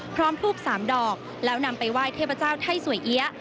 พร้อมภูมิ๓ดอกแล้วนำไปว่ายเทพเจ้าไทยสวยเอี๊ยะ